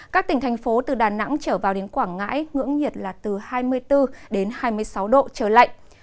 các tỉnh thành phố từ đà nẵng trở vào đến quảng ngãi ngưỡng nhiệt là từ hai mươi bốn hai mươi sáu độ trời lạnh